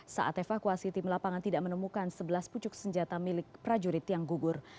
saat evakuasi tim lapangan tidak menemukan sebelas pucuk senjata milik prajurit yang gugur